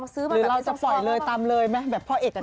หรือเราจะปล่อยเลยตามเลยไหมพอเอดจะได้